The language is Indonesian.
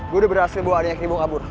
gue udah berhasil bawa adanya ke ribung kabur